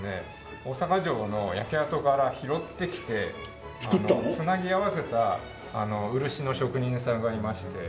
大坂城の焼け跡から拾ってきて繋ぎ合わせた漆の職人さんがいまして。